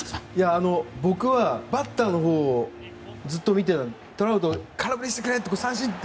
僕はバッターのほうをずっと見ていたのでトラウト空振りしてくれ三振！って。